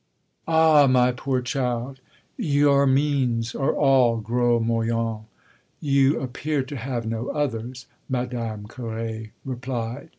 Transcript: "Ah my poor child, your means are all gros moyens; you appear to have no others," Madame Carré replied.